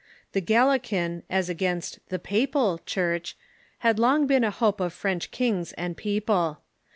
The " Gal ilean" as against the "Papal" Church had long been a hope of French kings and people.